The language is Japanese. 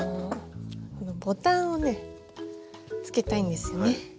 ボタンをねつけたいんですよね。